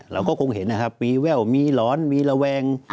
เราก็คงเห็นนะครับมีแว่วมีหลอนมีระแวง